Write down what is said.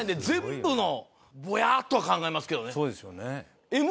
全部のぼやっとは考えますけどね。